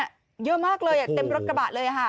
เยอะมากเลยเต็มรถกระบะเลยค่ะ